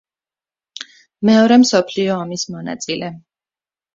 მეორე მსოფლიო ომის მონაწილე.